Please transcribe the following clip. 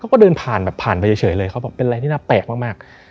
เขาก็เดินผ่านแบบผ่านไปเฉยเลยเขาบอกเป็นอะไรที่น่าแปลกมาก